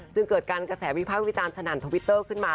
จึงเกิดการกระแสวิภาพวิธานสนั่นทวิตเตอร์ขึ้นมา